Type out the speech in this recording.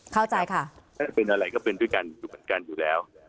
โดนอะไรก็เป็นด้วยกันอยู่แล้ว